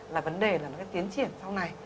là vấn đề là cái tiến triển sau này